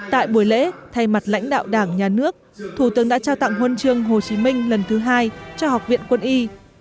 tại buổi lễ thay mặt lãnh đạo đảng nhà nước thủ tướng đã trao tặng huân chương hồ chí minh lần thứ hai cho học viện quân y